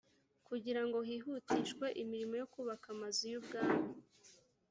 kugira ngo hihutishwe imirimo yo kubaka amazu y ubwami